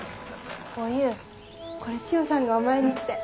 お勇これ千代さんがお前にって。